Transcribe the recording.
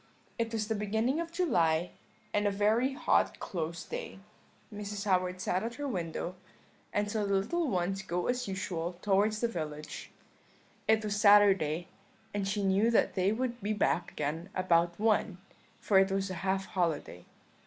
It was the beginning of July, and a very hot close day; Mrs. Howard sat at her window, and saw the little ones go as usual towards the village; it was Saturday, and she knew that they would be back again about one, for it was a half holiday.